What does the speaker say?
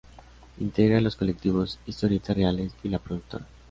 Integra los colectivos "Historietas Reales" y "La Productora".